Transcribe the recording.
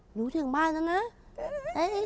ถึงบ้านแล้วนะ